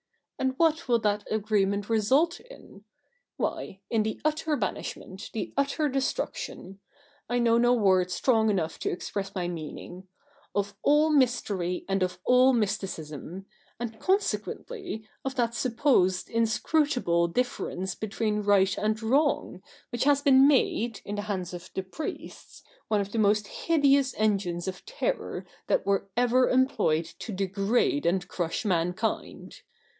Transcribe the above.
And what will that agreement result in ? Why, in the utter banishment, the utter destruction — I know no word strong enough to express my meaning — of all mystery and of all mysticism, and consequently of that supposed inscrutable difference between right and wrong, which has been made, in the hands of the priests, one of the most hideous engines of terror that were ever employed to degrade and crush mankind.